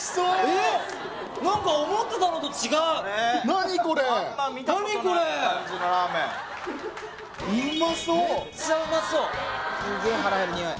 えっ何か思ってたのと違う何これうまそうめっちゃうまそうすげえ腹減る匂い